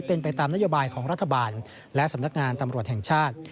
เป็นไปตามนโยบายของรัฐบาลและสำนักงานตำรวจแห่งชาติ